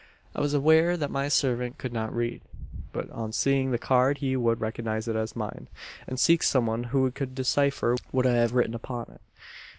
"I was aware that my servant could not read; but on seeing the card he would recognise it as mine, and seek some one who could decipher what I had written upon it.